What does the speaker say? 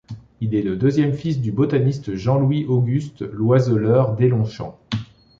Il est le deuxième fils du botaniste Jean-Louis-Auguste Loiseleur-Deslongchamps.